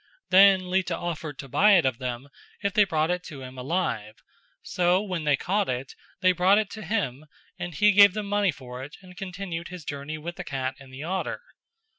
Then Lita offered to buy it of them if they brought it to him alive; so when they caught it they brought it to him and he gave them money for it and continued his journey with the cat and the otter.